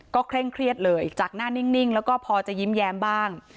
เคร่งเครียดเลยจากหน้านิ่งแล้วก็พอจะยิ้มแย้มบ้าง